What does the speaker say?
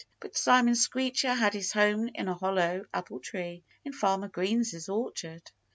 But Simon Screecher had his home in a hollow apple tree in Farmer Green's orchard.